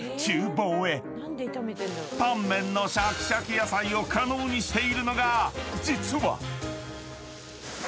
［タンメンのシャキシャキ野菜を可能にしているのが実は］